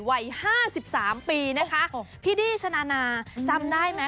วัย๕๓ปีนะคะพี่ดี้ชนานาจำได้ไหม